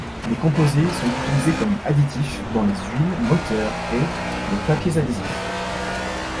Les composés sont utilisés comme additifs dans les huiles moteur et les papiers adhésifs.